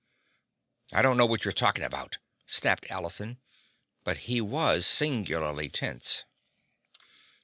"I don't know what you're talking about," snapped Allison. But he was singularly tense.